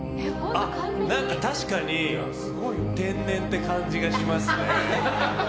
あ、確かに天然って感じがしますね。